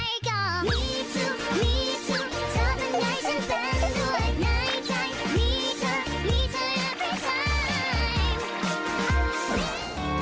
มีเธอมีเธอยังไงไทม์